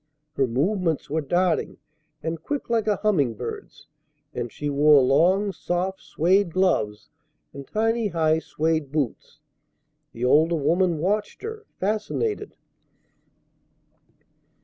Her movements were darting and quick like a humming bird's; and she wore long soft suède gloves and tiny high suède boots. The older woman watched her, fascinated.